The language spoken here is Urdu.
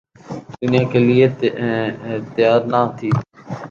دینے کے لئے تیّار نہ تھی۔